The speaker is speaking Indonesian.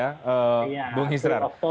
iya bung israr